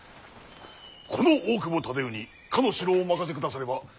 この大久保忠世にかの城をお任せくださればしかと。